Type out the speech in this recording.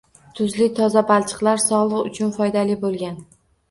Tuzli toza balchiqlar sogʻliq uchun foydali boʻlgan